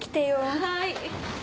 はい。